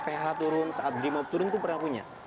ph turun saat drimop turun itu pernah punya